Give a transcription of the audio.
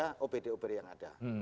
mengganggu kinerja obd obd yang ada